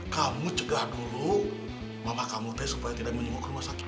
kamu cegah dulu mama kamu teh supaya tidak menyembuh ke rumah sakit